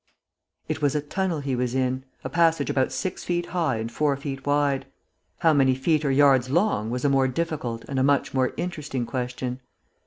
It was a tunnel he was in; a passage about six feet high and four feet wide. How many feet or yards long was a more difficult and a much more interesting question.